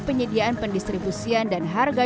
penyediaan pendistribusian dan harga